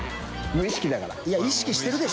無意識だから。